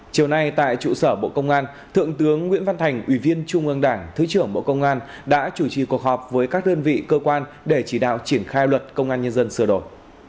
chiều nay tại trụ sở bộ công an thượng tướng nguyễn văn thành ủy viên trung ương đảng thứ trưởng bộ công an đã chủ trì cuộc họp với các đơn vị cơ quan để chỉ đạo triển khai luật công an nhân dân sửa đổi